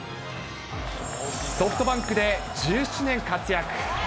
ソフトバンクで１７年間活躍。